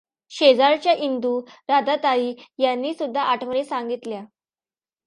शेजारच्या इंदू, राधाताई यांनीसुद्धा आठवणी सांगितल्या.